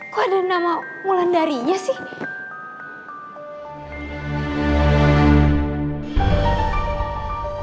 kok ada nama pulan darinya sih